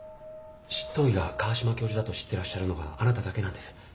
執刀医が川島教授だと知ってらっしゃるのはあなただけなんです。